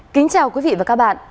kính chào quý vị và các bạn